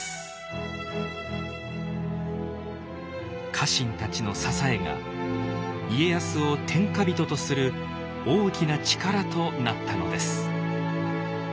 家臣たちの支えが家康を天下人とする大きな力となったのです。